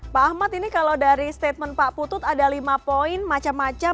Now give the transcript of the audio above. pak ahmad ini kalau dari statement pak putut ada lima poin macam macam